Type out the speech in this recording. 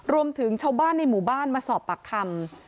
รวมถึงชาวบ้านในหมู่บ้านมาสอบปากคำ